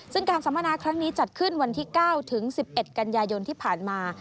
ซึ่งการสัมมนาครั้งนี้จัดขึ้นวันที่๙ถึง๑๑กันยายนที่ผ่านมา